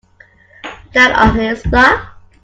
Down on his luck.